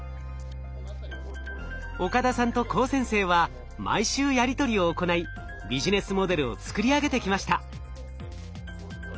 岡田さんと高専生は毎週やり取りを行いビジネスモデルを作り上げてきました。